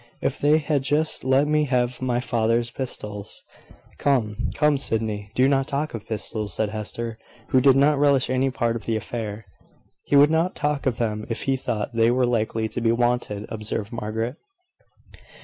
"If they had just let me have my father's pistols ." "Come, come, Sydney, do not talk of pistols," said Hester, who did not relish any part of the affair. "He would not talk of them if he thought they were likely to be wanted," observed Margaret.